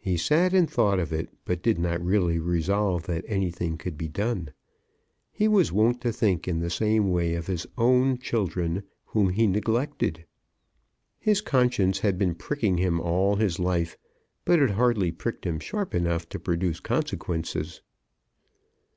He sat and thought of it, but did not really resolve that anything could be done. He was wont to think in the same way of his own children, whom he neglected. His conscience had been pricking him all his life, but it hardly pricked him sharp enough to produce consequences.